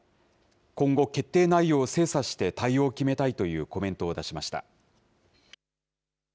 今後、決定内容を精査して、対応を決めたいというコメントを出しました。